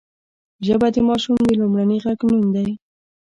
ژبه د ماشوم د لومړني غږ نوم دی